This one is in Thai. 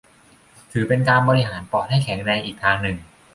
ถือเป็นการบริหารปอดให้แข็งแรงอีกทางหนึ่ง